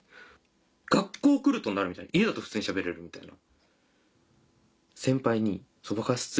学校来るとなるみたい家だと普通にしゃべれるみたいな。